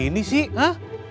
ke lensur kasus deh